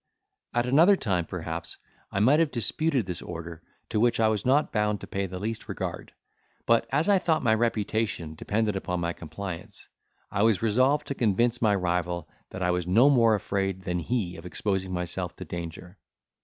At another time, perhaps, I might have disputed this order, to which I was not bound to pay the least regard; but as I thought my reputation depended upon my compliance, I was resolved to convince my rival that I was no more afraid than he of exposing myself to danger.